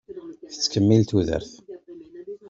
Tettkemmil tudert.